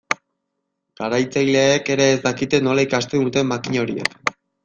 Garatzaileek ere ez dakite nola ikasten duten makina horiek.